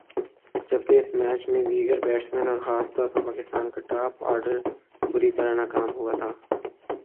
جبکہ اس میچ میں دیگر بیٹسمین اور خاص طور پر پاکستان کا ٹاپ آرڈر بری طرح ناکام ہوا تھا